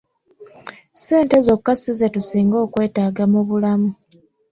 Ssente zokka si ze tusinga okwetaaga mu bulalamu.